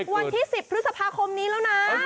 วันที่๑๐พฤษภาคมนี้แล้วนะ